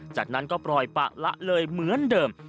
จากนั้นก็ปล่อยปะละเลยเหมือนเดิม